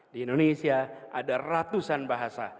di indonesia ada ratusan bahasa